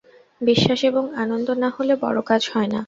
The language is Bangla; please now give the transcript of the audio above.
বিশ্বাস এবং আনন্দ না হলে বড়ো কাজ হয় না।